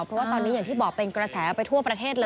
เพราะว่าตอนนี้อย่างที่บอกเป็นกระแสไปทั่วประเทศเลย